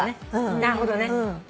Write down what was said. なるほどね。